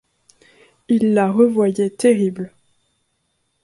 Il la revoyait terrible.